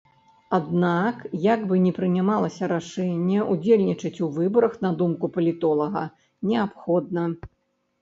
Аднак як бы ні прымалася рашэнне, удзельнічаць у выбарах, на думку палітолага, неабходна.